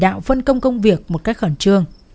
đạo phân công công việc một cách khẩn trương